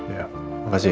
ya makasih ya